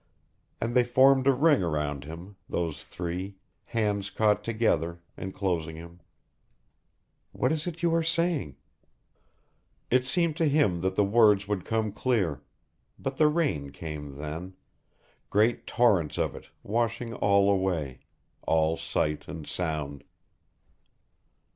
And they formed a ring around him, those three, hands caught together, enclosing him. What is it you are saying? It seemed to him that the words would come clear, but the rain came then, great torrents of it, washing all away, all sight and sound....